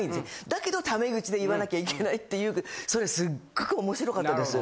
だけどタメ口で言わなきゃいけないっていうそれすっごく面白かったです。